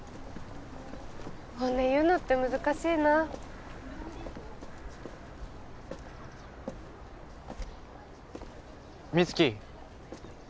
本音言うのって難しいな美月